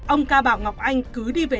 ông ca bảo ngọc anh cứ đi về